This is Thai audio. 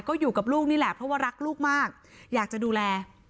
ก็อยู่กับลูกนี่แหละเพราะว่ารักลูกมากอยากจะดูแล